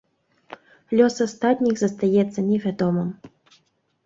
Лёс астатніх застаецца невядомым.